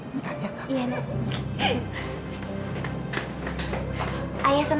ayah seneng sekali ketemu sama tante dan nenek